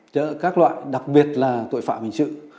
trợ các loại đặc biệt là tội phạm hình sự